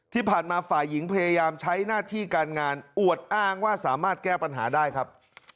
ที่ผ่านมาฝ่ายหญิงพยายามใช้หน้าที่การงานอวดอ้างว่าสามารถแก้ปัญหาได้ครับ